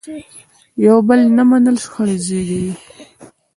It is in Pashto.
یو بل نه منل شخړې زیږوي.